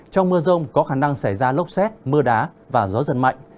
trong mưa rông có khả năng xảy ra lốc xét mưa đá và gió giật mạnh